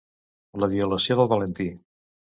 La violació del Valentí...